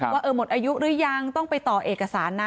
ว่าหมดอายุหรือยังต้องไปต่อเอกสารนะ